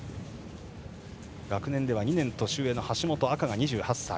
学年では２年年上の橋本、２８歳。